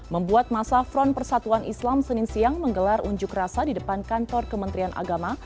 membuat masa front persatuan islam senin siang menggelar unjuk rasa di depan kantor kementerian agama